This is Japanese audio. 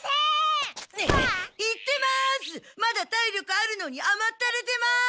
まだ体力あるのにあまったれてます！